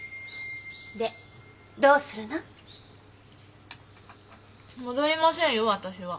でどうするの？戻りませんよわたしは。